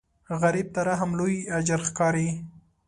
غریب ته رحم لوی اجر ښکاري